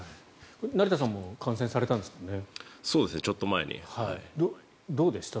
成田さんも感染されたんですよね？